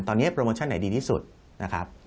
ตอนนี้โปรโมชั่นไหนดีที่สุดนะครับ